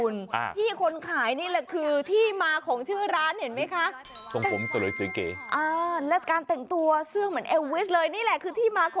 ร้านคืออะไรครับผู้สุพักษณ์สุรา